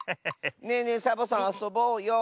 ねえねえサボさんあそぼうよ。